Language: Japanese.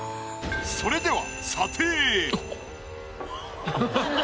それでは。